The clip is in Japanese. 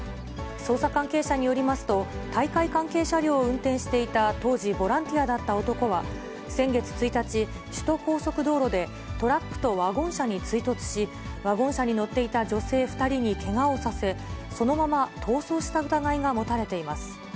捜査関係者によりますと、大会関係車両を運転していた当時ボランティアだった男は、先月１日、首都高速道路でトラックとワゴン車に追突し、ワゴン車に乗っていた女性２人にけがをさせ、そのまま逃走した疑いが持たれています。